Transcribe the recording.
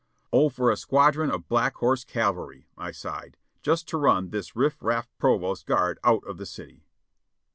"O for a squadron of Black Horse Cavalry," I sighed, "just to run this riff raff provost guard out of the city!"